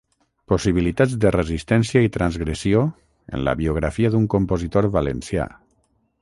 Possibilitats de resistència i transgressió en la biografia d’un compositor valencià.